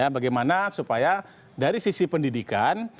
bagaimana supaya dari sisi pendidikan